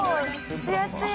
つやつや！